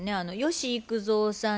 吉幾三さん